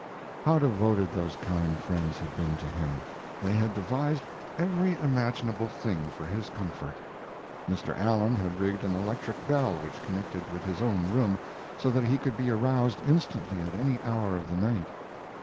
How devoted those kind friends had been to him! They had devised every imaginable thing for his comfort. Mr. Allen had rigged an electric bell which connected with his own room, so that he could be aroused instantly at any hour of the night.